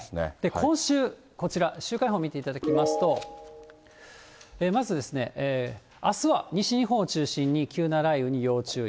今週、こちら、週間予報を見ていただきますと、まずあすは西日本を中心に、急な雷雨に要注意。